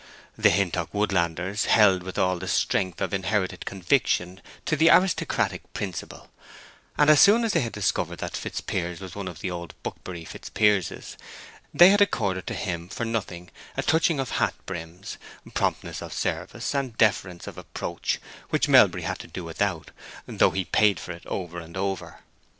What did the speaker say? The Hintock woodlandlers held with all the strength of inherited conviction to the aristocratic principle, and as soon as they had discovered that Fitzpiers was one of the old Buckbury Fitzpierses they had accorded to him for nothing a touching of hat brims, promptness of service, and deference of approach, which Melbury had to do without, though he paid for it over and over.